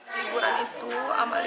hiburan itu amalia